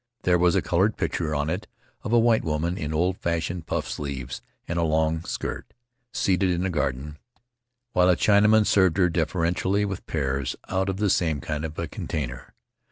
There was a colored picture on it of a white woman, in old fashioned puffed sleeves and a long skirt, seated in a garden, Faery Lands of the South Seas while a Chinaman served her deferentially with pears out of the same kind of a container.